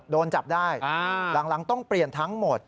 โดนจับได้หลังต้องเปลี่ยนทั้งหมด